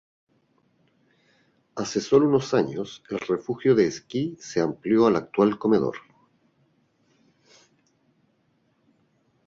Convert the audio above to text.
Hace solo unos años, el refugio de esquí se amplió al actual comedor..